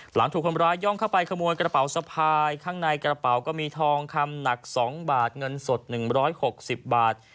หลังถูกคนร้ายย่องเข้าไปขโมยกระเป๋าสะพายข้างในกระเป๋าก็มีทองคำหนัก๒บาทเงินสด๑๖๐บาท